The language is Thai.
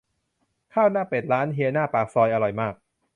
ข้าวหน้าเป็ด ร้านเฮียหน้าปากซอย อร่อยมาก